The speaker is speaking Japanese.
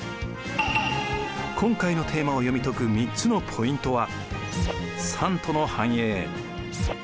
今回のテーマを読み解く３つのポイントは。